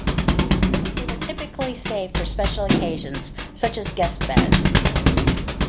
They were typically saved for special occasions, such as guest beds.